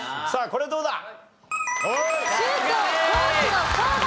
さあこれどうだ？